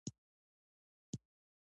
د يوافغان کميونسټ کردار هم ښودلے شي.